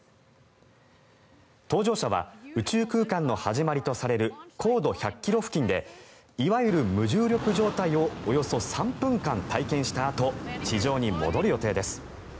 搭乗者は宇宙空間の始まりとされる高度１００ｋｍ付近でいわゆる無重力状態をおよそ３分間体験したあと地上に戻る予定です。